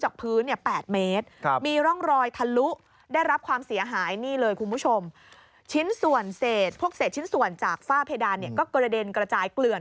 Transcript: ก็กระเด็นกระจายเกลือน